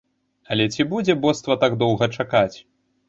Але ці будзе боства так доўга чакаць?